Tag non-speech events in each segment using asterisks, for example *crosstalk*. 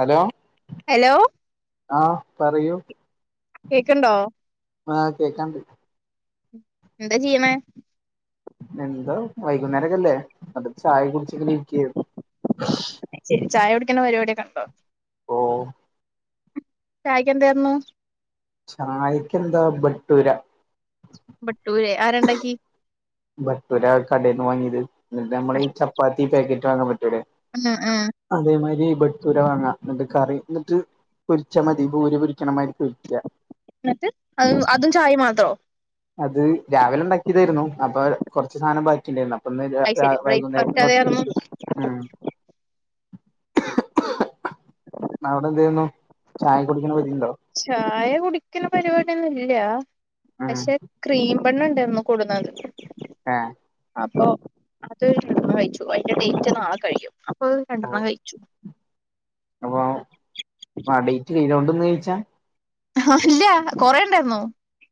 Hello hello ആഹ് പറയൂ കേക്കണുണ്ടോ ആഹ് കേക്കാണ്ട് എന്താ ചെയ്യണേ എന്തോ വൈകുന്നേരൊക്കെല്ലേ *unintelligible* ചായൊക്കെ കുടിച്ചിങ്ങനെ ഇരിക്കായിരുന്നു. അയ് ശരി ചായ കുടിക്കണ പരിപാടിയൊക്കെ ഉണ്ടോ ഓ ചായക്കെന്തേർന്നു ചായക്കെന്താ ബട്ടൂര ഭട്ടൂരേ ആര് ഇണ്ടാക്കി ഭട്ടൂരാ കടേന്ന് വാങ്ങീത് എന്നിട്ട് നമ്മളീ ചപ്പാത്തി പാക്കറ്റ് വാങ്ങാൻ പറ്റൂലേ ആഹ് അതേമാരി ഭട്ടൂര വാങ്ങാ ഇന്നിട്ട് കറി ഇന്നിട്ട് പൊരിച്ചാ മതി ബൂരി പൊരിക്കണമാരി പൊരിക്ക്യ എന്നിട്ട് അ അതും ചായേം മാത്രോ അത് രാവിലെ ഉണ്ടാക്കിയതായിരുന്നു അപ്പൊ കുറച്ച് സാധനം ബാക്കിണ്ടായിരുന്നു അപ്പ അത് ശരി *unintelligible* ബ്രേക്ക്ഫാസ്റ്റ് വൈകുന്നേരത്തിനും അതായിരുന്നു *unintelligible* ഉം. അവിടെ എന്ത് ചെയ്യുന്നു ചായ കുടിക്കണ? *unintelligible* ചായ കുടിക്കുന്ന പരിപാടിയൊന്നും ഇല്ല ഉം പക്ഷെ ക്രീം. *unintelligible* കൂടുന്നത്. ആഹ്. അപ്പൊ അത് *unintelligible* അതിന്റെ ഡേറ്റ് നാളെ കഴിയും. അപ്പത് കണ്ടപ്പം കഴിച്ചു. *unintelligible* ചോദിച്ചാ. അല്ല കുറേണ്ടായിരുന്നോ.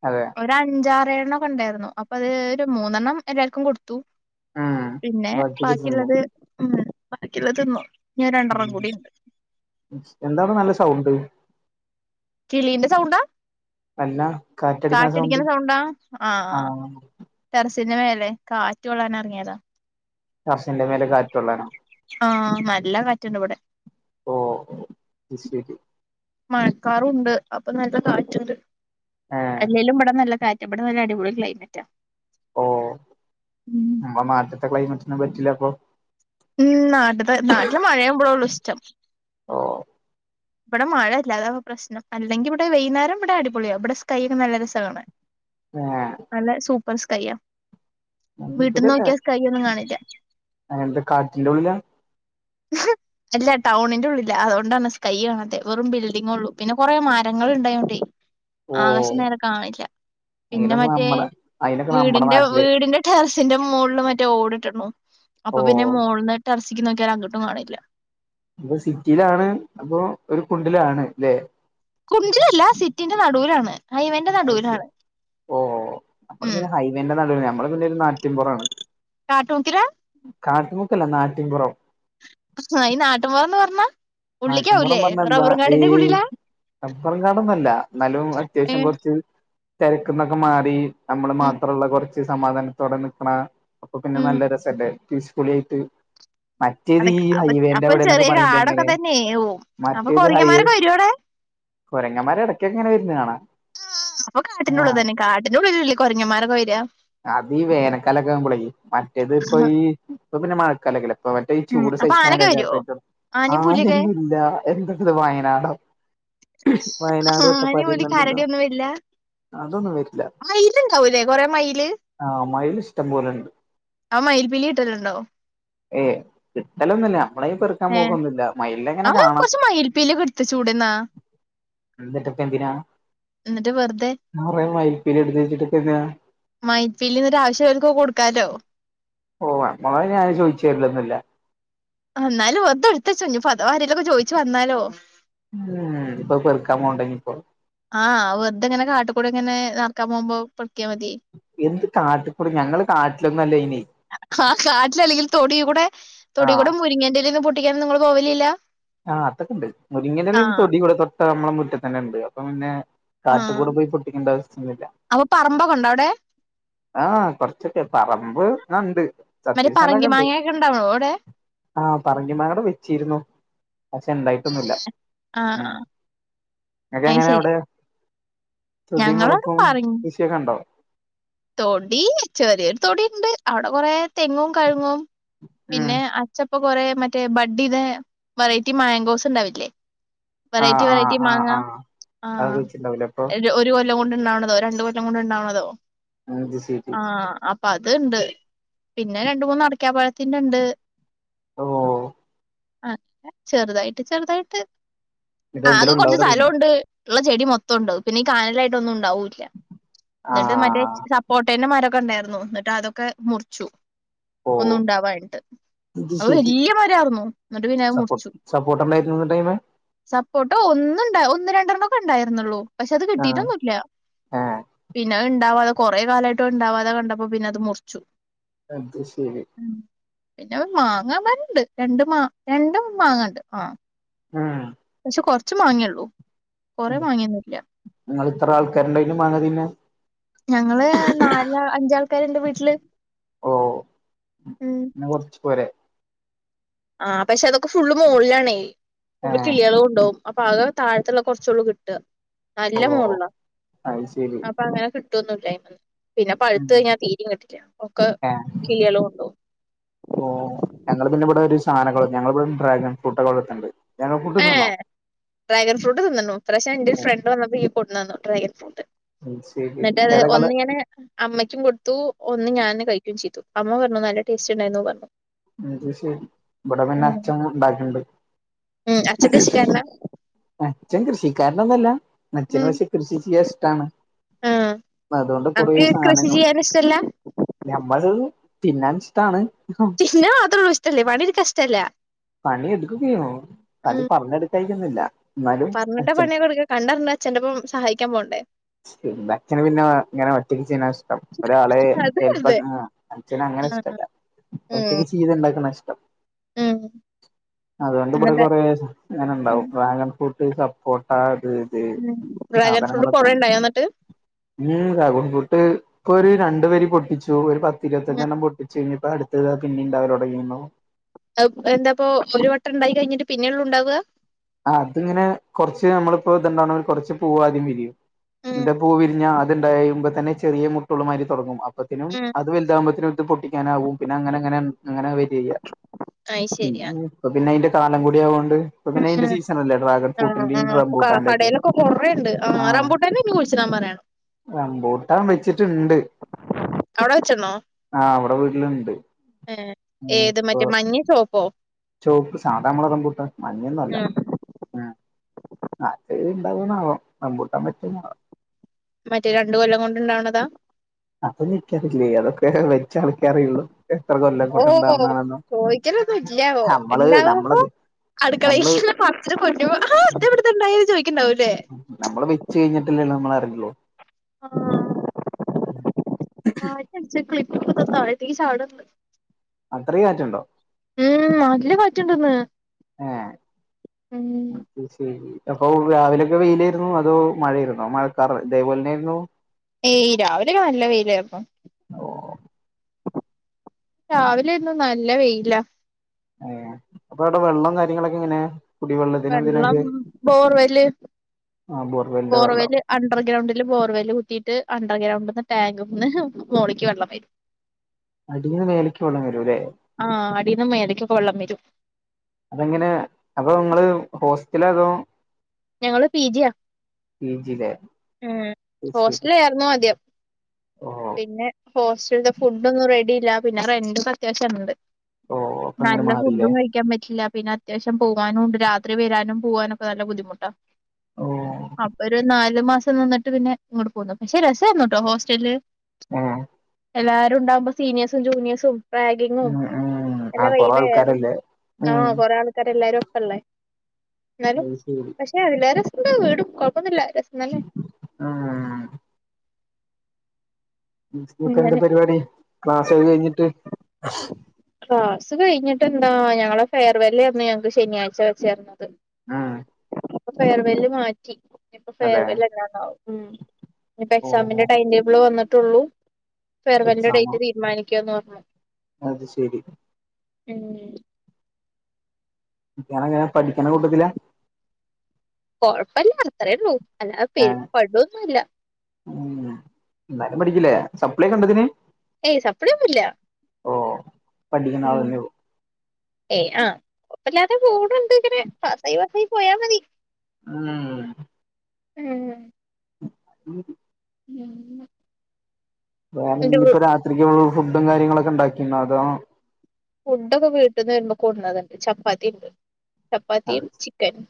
അതെ. ഒര് അഞ്ചാറെ ഏഴെണ്ണം ഒക്കെ ഉണ്ടായിരുന്നു അപ്പ അത് ഒരു മൂന്നെണ്ണം എല്ലാർക്കും കൊടുത്തു. ഉം പിന്നെ ബാക്കിയൊക്കെ തിന്നും ബാക്കിയുള്ളത് ഉം ബാക്കിയുള്ളത് തിന്നു ഇനി രണ്ടെണ്ണം ഉം കൂടി ഉണ്ട്. എന്താണ് നല്ല സൗണ്ട്. കിളീന്റെ സൗണ്ടാ നല്ല സൗണ്ട് കാറ്റടിക്കണ സൗണ്ടാ ആഹ്. ടെറസിന്റെ മേലെ കാറ്റ് കൊള്ളാൻ ഇറങ്ങിയതാ. ടെറസിന്റെ മേലെ കാറ്റു കൊള്ളാനോ. ആഹ് നല്ല കാറ്റുണ്ട് ഇവിടെ. ഓ അത് ശരി മഴക്കാറുണ്ട് അപ്പൊ നല്ല കാറ്റുണ്ട് ഏഹ് അല്ലേലും ഇവിടെ നല്ല കാറ്റ്. ഇവിടെ നല്ല അടിപൊളി ക്ലൈമറ്റാ. ഓഹ് ഉം നമ്മടെ നാട്ട്ത്തെ ക്ലൈമറ്റ് ഒന്നും പറ്റില്ല അപ്പൊ. ഉം നാട്ട്ത്തെ നാട്ടിലെ മഴയാമ്പോഴേള്ളു ഇഷ്ടം. ഓ ഇവിടെ മഴ ഇല്ല അതാപ്പോ പ്രശ്നം അല്ലെങ്കി ഇവിടെ വൈകുന്നേരം ഇവിടെ അടിപൊളിയ ഇവിടെ സ്കൈയൊക്കെ നല്ല രസാ കാണാൻ. *inaudible* ആഹ് നല്ല സൂപ്പർ സ്കൈയ വീട്ടിന്ന് നോക്കിയാ സ്കൈ ഒന്നും കാണില്ല. അങ്ങനത്തെ കാട്ടിന്റെ ഉള്ളില്ല അല്ല ടൗണിന്റെ ഉള്ളില്ല അതുകൊണ്ടാണ് സ്കൈ കാണതെ വെറും ബിൽഡിങ്ങ് ഉള്ളു പിന്നെ കൊറേ മരങ്ങൾ ഇണ്ടായോണ്ടേ. ഓ ആകാശം നേരെ കാണില്ല പിന്നെ അയിനൊക്കെ മറ്റേ നമ്മടെ അയിനൊക്കെ നമ്മടെ വീടിന്റെ നാട്ടില് വീടിന്റെ ടെറിസിന്റെ മോളില് മറ്റേ ഓടിട്ന്നു ഓ അപ്പൊ പിന്നെ മുളിന്ന് ടെറസിക്ക് നോക്കിയാൽ അങ്ങ്ട്ടും കാണില്ല. അപ്പൊ സിറ്റിയിലാണ് അപ്പൊ ഒരു കുണ്ടിലാണ്ല്ലെ. കുണ്ടിലല്ല സിറ്റിന്റെ നടുലാണ് അയ്ശരി ഓഹ് നമ്മള് ഉം പിന്നെ ഹൈവേന്റെ നടുല്ല നമ്മള് പിന്നെ ഒരു നാട്ടിൻപുറമാണ് കാട്ടുമുക്കിലാ കാട്ടിമുക്കല്ല നാട്ടിൻപുറം. ആഹ് ഈ നാട്ടിൻപുറം എന്ന് പറഞ്ഞാ നാട്ടിൻ പുറന്ന് പറഞ്ഞ എന്താ ഈ മാപ്പറം കാടൊന്നല്ല എന്നാലും ഏ അത്യാവശ്യം കോറച്ച് തിരക്കുന്നൊക്കെ മാറി നമ്മള് ഉം മാത്രമുള്ള കുറച്ച് സമാധാനത്തോടെ നിക്ക്ണ അപ്പൊ പിന്നെ ഉം നല്ല രസല്ലേ പീസ്ഫുളിയിട്ട് മറ്റേത് അതൊക്കെ ഈ ഹൈവേന്റെ അവിടെന്നൊക്കെ പറയുമ്പോ എങ്ങനെ ഏഹ് ഓഹ് മറ്റേ ഇത് ഹൈ കൊരങ്ങമാരടക്ക ഇടക്ക്‌ ഒക്കെ ഇങ്ങനെ വരുന്നെ കാണാ അപ്പൊ കാട്ടിന്റെ ഉള്ള തന്നെ കാട്ടിന്റെറെ ഉള്ളിലല്ലേ കുറഞ്ഞമാരൊക്കെ വേര അതീ വേനക്കാലൊക്കെ ആകുമ്പോളെ മറ്റേത് ഇപ്പൊ ഈ ഇത് പിന്നെ മഴക്കാലൊക്കെ അപ്പൊ മറ്റേ ഈ ഉം ചൂട് അപ്പൊ ആനൊക്കെ സഹിക്കാൻതാ വരുവോ പറ്റും ആനയും പുലിയൊക്കെ ആനെന്നുല്ല എന്താ ഇത് വയനാടോ വയനാടും ആനയും അട്ടപ്പാടിയും പുലി ഒന്നാലല്ലോ കരടിയൊന്നും വരില്ല അതൊന്നും വരില്ല മയിലുണ്ടാവൂലേ കൊറേ മയില് ആഹ് മൈൽ ഇഷ്ടം പോലെണ്ട് ആഹ് മയിൽപിലി കിട്ടല് ഉണ്ടാ ഏയ് കിട്ടലൊന്നുല്ല നമ്മളി പെറുക്കാൻ ഏ പോകൊന്നുല്ല അവ കൊറച്ച് മയിൽപ്പീലിക്കെ എടുത്തച്ചുടെന്നെ എന്നിട് ഇപ്പൊ എന്തിനാ എന്നിട്ട് വെറുതെ ഞാൻ കൊറേ മൈൽപീലി എടുത്ത് വെച്ചിട്ട് ഇപ്പൊ എന്തിനാ മൈൽപ്പിലി ഒരു ആവശ്യം ഒള്ളോർക്കൊക്കെ കൊടുക്കാലോ ഓ നമ്മളോട് അയിന് ആരും ചോദിച്ചുരിലൊന്നില്ല എന്നാലും വെറുതെ എടുത്തചൊ ഇനിപ്പോ അഥവാ ആരെലൊക്കെ ചോയിച്ചു വന്നാലോ ഉം ഇപ്പൊ അത് പെറുക്കാൻ പോകണ്ടെ ഇനിപ്പോ ആഹ് വെറുതെങ്ങനെ കാട്ടുകുടെ കൂടെ ഇങ്ങനെ നടക്കാൻ പോകുമ്പോ പൊർക്കിയ മതി എന്ത് കാട്ടിക്കൂടി ഞങ്ങള് കാട്ടിലൊന്നുല്ല അയിന് ആഹ് കാട്ടില്ലല്ലെങ്കിൽ തൊടി കൂടെ തൊടി ആഹ് കൂടെ മുരിങ്ങന്റെ ഇല പൊട്ടിക്കാനൊന്നും നിങ്ങള് പോവലില്ല ആഹ് അതൊണ്ട് മുരിങ്ങന്റെ ഇല ആ അയിന് തൊടി കൂടെ തൊട്ട നമ്മളെ മുറ്റതന്നെ അപ്പൊ പിന്നെ ആ കാട്ട് കൂടെ പോയി പൊട്ടിക്കേണ്ട അവസ്ഥന്നില്ല അപ്പൊ പറമ്പൊക്കെ ഇണ്ടോ അവിടെ ആഹ് കൊറച്ചൊക്കെ പറമ്പ് ആ ഇണ്ട് മറ്റേ പറങ്കി മാങ്ങയൊക്കെ ഇണ്ടാണോ അവിടെ ആഹ് പറങ്കി മാങ്ങ അവടെ വെച്ചിരുന്നു പക്ഷെ ഇണ്ടായിട്ടൊന്നുല്ല ആഹ് ഉം ആഹ് ഇങ്ങൾക്ക് അത് എങനെ ശരി അവിടെ തൊടിയും ഞങ്ങളവിടെ വെളപ്പും പറങ്കി കൃഷിയൊക്കണ്ടൊ? തൊടി ചെറിയൊരു തൊടിണ്ട് അവടെ കൊറേ തെങ്ങും കഴുങ്ങും ഉം പിന്നെ അ ചപ്പോ കൊറേ മറ്റേ ബഡ്ഡീതെ വെറൈറ്റി മേങ്കോസ് ഉണ്ടാവില്ലേ. വെറൈറ്റി ആഹ് ആഹ് വെറൈറ്റി ആഹ് മാങ്ങാ ആഹ് അത് ആഹ് വെച്ചിണ്ടാവൂലേ അപ്പൊ ഒര് ഒരു കൊല്ലം കൊണ്ട്ണ്ടാവ്ണതോ രണ്ട് കൊല്ലം കൊണ്ട്ണ്ടാവ്ണതോ അത് സേ ആഹ് അപ്പ അത്ണ്ട് പിന്നെ രണ്ട് മൂന്ന് അടക്കാപഴത്തിന്റെണ്ട്. ഓഹ്. ആഹ് ചെറ്തായിട്ട് ചെറ്തായിട്ട് ആകെ ഇതെന്തേലും കൊർച്ച് ഉണ്ടാവൂല അറിയുന്നു സലോണ്ട്. ള്ള ചെടി മൊത്തൊണ്ട് പിന്നെ ഈ കാനലായിട്ട് ഒന്നും ഉണ്ടാവൂല്ല ന്ന്ട്ട് മറ്റേ ആഹ് സപ്പോട്ടേന്റെ മരൊക്കെണ്ടായിരുന്നു ന്ന്ട്ട് അതൊക്കെ മുർച്ചു ഓ ഒന്നുണ്ടാവായിട്ട്. ഇത് അഅ്‌ ശരി വല്ല്യ മരാർന്നു ന്ന്ട്ട് പിന്നെ അഅ്‌ സപ്പോ മുർച്ചു. സപ്പോർട്ടുണ്ടായിരുന്നു ടൈമ് സപ്പോർട്ട ഒന്ന്ണ്ടാ ഒന്ന് രണ്ടെണ്ണംക്കെ ഉണ്ടായിര്ന്നുള്ളൂ പക്ഷെ അത് ആഹ് കിട്ടീറ്റൊന്നുല്ലാ. ഏഹ് പിന്നെ അഅ്‌ ഇണ്ടാവാതെ കൊറേ കാലായിട്ടും അഅ്‌ ഇൻണ്ടാവാതെ കണ്ടപ്പോ പിന്നെ അത് മുർച്ചു. അത് ശേരി. പിന്നെ മാങ്ങ മരണ്ട് രണ്ട് മാ രണ്ടും മാങ്ങണ്ട് ആഹ്. ഉം. പക്ഷെ കൊർച്ച് മാങേള്ളൂ കൊറെ മാങേന്നുല്ല. നിങ്ങള് ഇത്ര ആൾക്കാര്ണ്ടായ്റ്റും മാങ്ങതിന്ന് ഞങ്ങള് ന്നാല് അഞ്ചാൾക്കാര്ണ്ട് വീട്ടില്. ഓഹ് ഉം ന്നാ കൊർച്ച് പോരേ. ആഹ് പക്ഷെ അതൊക്കെ ഫുള്ള് മോൾലാണയ് ഫുളള് ഏഹ് കിളീള് കൊണ്ടൊവും. അപ്പൊ അത് താഴ്ത്ത്ള്ള കൊർച്ചോള്ളൂ കിട്ട്ആ ഓ ന്നല്ല മോൾളാ. അത് ശരി അപ്പ അങ്ങനെ കിട്ടുന്നുല്ലയ്മന്ന് പിന്നെ ഉം പഴുത്ത് കയ്ഞ്ഞാ തീരിം കിട്ടില്ല ഒക്കെ കിളീള് കൊണ്ടോവും. ഓഹ്. ഞങ്ങള് പിന്നെ ഇവടെ ഒരു സാനക *unintelligible* ഞങ്ങളിവിടെ ഡ്രാഗൺ ഫ്രൂട്ടഒക്കെവളർത്ത്ണ്ട് *unintelligible* ഏഹ് *unintelligible* ഡ്രാഗൺ ഫ്രൂട്ട് ത് ന്നണ്ണു പ്രാക്ഷേ ഇന്റെരു ഫ്രണ്ട് വന്നപ്പോ ഈ കൊട്ന്നന്നു ഡ്രാഗൺ ഫ്രൂട്ട്. അത് ശരി ന്ന്ട്ടഅത് ഏതാ കളർ ഒന്നിങ്ങനെ അമ്മയ്ക്കും കൊട്ത്തു ഒന്ന് ഞാന് കയ്ക്കുയും ചെയ്തു അമ്മ പർഞ്ഞു നല്ല ടേസ്റ്റ് ണ്ടായിന്നൂ പർഞ്ഞു. അത് ശെരി ഇവടെ പിന്നെ ഉം അച്ഛം ണ്ടാക്ക്ണ്ട്. ഉം അച്ഛം കൃഷി കാര്നാ? അച്ചൻ കൃഷിക്കാര്നൊന്നുല്ല അച്ഛന് ഉം പക്ഷേ കൃഷി ചിയ്യാ ഇഷ്ടാണ്. ആഹ് അതൊണ്ട് കൊറെ അനക്ക് കൃഷി സാനങ്ങള് ചെയ്യാൻ ഇഷ്ടല്ല ഞമ്മള് തിന്നാൻ ഇഷ്ടാണ്. തിന്നാൻ മാത്രഒള്ളു ഇഷ്ടല്ലേ പണിട്ക്കാ ഇഷ്ടല്ലാ. പണിട്ക്കോക്കയ്യും പണി പർഞാ ഇട്ക്കായികന്നുല്ല. പർഞ്ഞിട്ട പണീള്ട്ക്കാ കണ്ടർഞ്ഞ് അച്ഛന്റെപ്പം സഹായിക്കാം പോണ്ടേ. അച്ഛന് പിന്നെ ഇങ്ങനെ ഒറ്റക്ക് ചെയ്യ്ണാ ഇഷ്ടം ഒരാളെ അത് എ അതെ എൽപ്പാക്ക് *unintelligible* അച്ഛന് അങ്ങനെ ഇഷ്ടല്ല ഉം ഒറ്റക്ക് ചീത്ഇണ്ടാക്കുന്നാ ഇഷ്ടം. ഉം. അതുകൊണ്ട് ഇവടെ എന്നിട്ട് കൊറെ ഉം അങ്ങനെണ്ടാവും ഡ്രാഗൺ ഫ്രൂട്ട് സപ്പോട്ട അത് ത് ഉം ഡ്രാഗൺ ഫ്രൂട്ട് കൊറേ സാതനങ്ങളൊക്കേണ് ഉണ്ടായോ എന്നിട്ട് ഉം ട്രാഗൻ ഫ്രൂട്ട് ഇപ്പൊ ഒരു രണ്ടു വരി പൊട്ടിച്ചു ഒരു ഉം പത്തിരുവത്തഞ്ചെണ്ണം പൊട്ടി പിന്നിപ്പ അടുത്തതാ പിന്നിം ണ്ടാവലൊടങ്ങിയണ്ണു. എന്താപ്പോ ഒരു വട്ടണ്ടായി കയ്ഞ്ഞിട്ട് പിന്നെള്ളൂണ്ടാവാ? ആ അത്ങ്ങനെ കൊറച്ച് നമ്മളിപ്പോ ഇത്ണ്ടാവണിൽ കൊറച്ച് പൂവാദ്യം വരിയും ഉം ഇൻ്റ പൂവിരിഞ്ഞ അത്ണ്ടായുമ്പ തന്നെ ചെറിയ മുട്ടള് മാരി തൊടങ്ങും അപ്പത്തിനും ഉം അത് വല്താവുമ്പ ത്തിന്നും ഇത് പൊട്ടിക്കാനാവും പിന്നഅങ്ങനങ്ങെനെ അങ്ങനെ വേര്യയ്യാ അത് ശരി പിന്നെ ആ ഇപ്പ പിന്നെ അയിന്റെ കാലം കൂടി ആവൊണ്ട് ഇ പിന്നെ അന്റെ ഉം സീസൺ അല്ലേ ഡ്രാഗൺ ആ ആ ഫ്രൂട്ടിൻ്റിം അപ്പൊ ക റംബൂട്ടാന്റ ഒക്കെ കടയിലൊക്കെ കൊറേ ഉണ്ട് ആ റംബൂട്ടാന് ഇനി കുഴിച്ചിടാൻ പറയണം റംമ്പൂട്ടാൻ വെച്ചിട്ട്ണ്ട് അവടെ വെച്ചണോ ആഹ് ഇവിടെ വീട്ടില്ണ്ട് ഏ ഏത് മറ്റേ മഞ്ഞേ ചോപ്പോ ചോപ്പ് സാധാ ഞാമ്മളെ റംമ്പൂട്ടാൻട് മഞ്ഞൊന്നും അല്ല ഉം അ ആത് ഇണ്ടാവോന്നാവോ റമ്പൂട്ടാൻ പറ്റുന്നാവോ മറ്റേ രണ്ടു കൊല്ലം കൊണ്ട്ണ്ടാവണതാ അതോന്നും ഇക്കാറില്ലേ അതൊക്കെ വെച്ച ആൾക്കറുള്ളൂ എത്ര കൊല്ലംക്കോണ്ടാവണാണെന്നോ ചോയ്ക്കാലൊന്നും ഇല്ലാവോ ഉണ്ടാവുമ്പോ നമ്മള് അടുക്കളയില്ല പച്ച കൊണ്ടരുപോ ആ അതവിടുന്നാഇണ്ടായേ ചോയിക്ക്ണ്ടാവൂല്ലേ നമ്മള് വെച്ച് കഴിഞ്ഞിട്ടില്ലേല്ലോ നമ്മളറിയൊള്ളു ആ *unintelligible* തായത്തിക്ക് ചാട്ണ്ട് അത്രയും കാറ്റുണ്ടോ ഉം നല്ല കാറ്റ്ണ്ടന്ന് ഏഹ് ഉം അത് ശരി അപ്പൊ രാവിലെക്കെ വെയിലായിരുന്നു അതോ മഴയിരുന്നോ മഴകാറ് ഇതേപോലെ ന്നെയായിരുന്നു ഏയ് രാവിലെ നല്ല വെയിലായിരുന്നു പ്പൊ ഓ രാവിലെ എന്നും നല്ല വെയ്‌ലാ ഏ അപ്പൊ അടെ വെള്ളം കാര്യങ്ങളൊക്കെ എങ്ങനെയാ വെള്ളം ബോർവല് ആഹ് ബോർവെലിന്റെ വെള്ളം ബോർവല് അ അണ്ടർഗ്രൗണ്ടില് ബോർവെല് കുത്തീയിട്ട് അണ്ടർഗ്രൗണ്ട്ന്ന് ടാങ്ക് ന്ന് മോളിക്ക് വെള്ളം വരും *inaudible* അടിന്ന് മേലയ്ക്ക് വെള്ളം വരൂല്ലേ ആഹ് അടീന്ന്മേലക്ക് ഒക്കെ വെള്ളം വരും അതെങ്ങനെ അപ്പ നിങ്ങള് ഹോസ്റ്റലാതോ ഞങ്ങള് പിജിയ പി ജിയിലെ ഉം അത് ശരി ഹോസ്റ്റല ആയിരുന്നു ആദ്യം ഓഹ് പിന്നെ ഹോസ്റ്റൽത്തെ ഫുഡ്ഒന്നും റെഡിഇല്ല പിന്നെ റെൻ്റ് അത്യാവശ്യണ്ട് ഓ അപ്പൊ അങ്ങനെ നല്ല മാറില്ലേ ഫുഡും കഴിക്കാൻ പറ്റില്ല പിന്നെ അത്യാവശ്യം പോവാനുംണ്ട് രാത്രി വരാനും പോവാനൊക്കെ നല്ല ബുദ്ധിമുട്ടാ ഓ അപ്പൊരു നാൽ ര് മാസം നിന്നിട്ട് പിന്നെ ഇങ്ങട്ട് പോന്നു പക്ഷെ രസേർന്ന്ട്ടോ ഹോസ്റ്റലില് ആ എല്ലാരും ഉണ്ടാവുമ്പോ സീനിയഴസും ജൂനിയേഴസും റാഗിങ്ങും ഉം ആ എല്ലാം വൈ കൊറേ ഡേ ആൾക്കാരല്ലേ ഉം ആഹ് കൊറേ ആൾക്കാര് എല്ലാരും ഒപ്പല്ലേ എന്നാലും അത് ശരി പക്ഷെ അതില രസം ന്താ വീടും കൊഴപ്പൊന്നില്ല രസംതന്നെ ആഹ് സ്കൂൾക്ക്‌ എന്താ അങ്ങനെ പരിപാടി ക്ലാസ് ഒക്കെ കഴിഞ്ഞിട്ട് ക്ലാസ് കഴിഞ്ഞിട്ട് എന്താ ഞങ്ങളെ ഫെയർവെല്ലായിരുന്നു ഞങ്ങക്ക് ശനിയാഴ്ച വെച്ചേരുന്നത് ആഹ് ഫെയർവെല്ല് മാറ്റി ഇനിയിപ്പ അതെ ഫെയർവെൽ എന്നാന്നാവോ ഉം ഇനിയിപ്പ ഓ എക്സാമിന്റെ ടൈം ടേബിള് വന്നിട്ടുള്ളൂ ഫെയർവെല്ലിന്റെ എക്സാമോ ഡേറ്റ് തീരുമാനിക്കുകാന്ന് പറഞ്ഞു അത് ശരി. തെന്നെ ഇയാൾ എങ്ങനെ പഠിക്ക്ണ കൂട്ടത്തിലാ? കൊഴപ്പല്ല അത്രേ ഉള്ളൂ അല്ലാതെ പെ ഏ പടോന്നുല്ല. ഉം ഇന്നാലും പഠിക്കില്ലേ. സപ്ലി ഒക്കെ ഉണ്ടോ ഇതിന്? ഹേയ് സപ്ലി ഒന്നുല്ലാ. ഓഹ് ഉം. ഏയ് ആഹ് കുഴപ്പല്ലാതെ പോണ് ണ്ട് ഇങ്ങനെ പാസ്സായി പാസ്സായി പോയാ മതി. ഉം *unintelligible* *unintelligible* *unintelligible* വേറെ എന്റെ ഇനിയിപ്പ രാത്രിക്ക് ഫുഡും കാര്യങ്ങളൊക്കെ ഉണ്ടാക്കിണോ അതോ, ഫുഡൊക്കെ വീട്ടിന്ന് വരുമ്പോ കൊടുന്നത് ണ്ട്. ചപ്പാത്തി ണ്ട് ചപ്പാത്തിയും ചിക്കനും.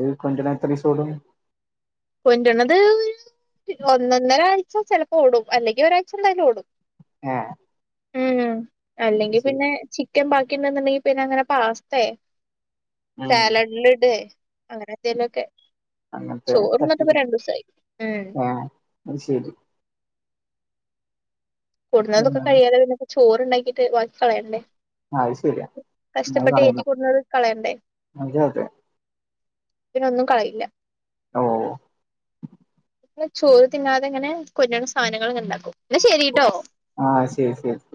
ഈ കൊണ്ട്ര്ണത് എത്രീസോടും? കൊൻൻ്റ്ണത് ഒരു ഒന്നൊന്നരാഴ്ച ചെലപ്പോ ഓടും അല്ലെങ്കി ഒരാഴ്ച എന്തായാലും ഓടും. ഏഹ്. ഉം ഹും. അല്ലെങ്കി പിന്നെ ചി ക്കൻ ബാക്കിണ്ട്ന്ന്ണ്ടെങ്കി പിന്നെ അങ്ങനെ പാസ്തെ ഉം സാലഡ്ല് ഇടേ അങ്ങനെ എന്തെലൊക്കെ. അങ്ങനത്തെ തട്ടി കൂട്ട് ഉം ഏഹ് അത് ശരി. കൊടുന്നതൊക്കെ ആ കഴിയാതെ പിന്നെ പ്പ ചോറ് ണ്ടാക്കീട്ട് വാക്കി കളയണ്ടേ. അത് ശരിയാ അത് കഷ്ടപ്പെട്ട് ഏറ്റി കളയണം കൊടുന്നത് കളയണ്ടേ. അത് അതെ തിനൊന്നും കളയില്ല. ഓഹ് ഓഹ്. *unintelligible* ചോറ് തിന്നാതെ ഇങ്ങനെ കൊണ്ട്രണ സാധനങ്ങള് ങ്ങനെണ്ടാക്കും. ഇന്ന ശരിട്ടോ. ആഹ് ശരി ശരി.